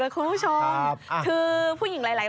ขอบคุณครับ